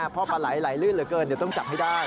พอปลาไหล่ไหล่ลื่นเหลือเกินจะต้องจับให้ได้